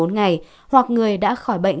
một mươi bốn ngày hoặc người đã khỏi bệnh